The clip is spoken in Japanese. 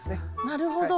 なるほど。